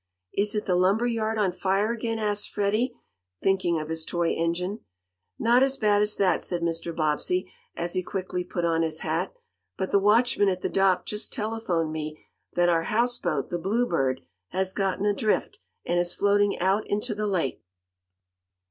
"Is the lumber yard on fire again?" asked Freddie, thinking of his toy engine. "Not as bad as that," said Mr. Bobbsey, as he quickly put on his hat. "But the watchman at the dock just telephoned me that our houseboat, the Bluebird, has gotten adrift, and is floating out into the lake."